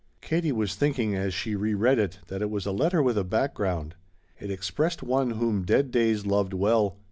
Katie was thinking, as she re read it, that it was a letter with a background. It expressed one whom dead days loved well.